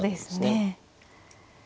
そうですね。